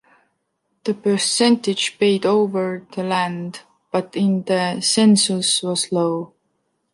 The percentage paid over the land put in the census was low.